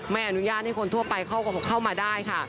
ไม่อนุญาตให้คนทั่วไปเข้ามาได้ค่ะ